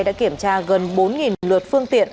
đã kiểm tra gần bốn lượt phương tiện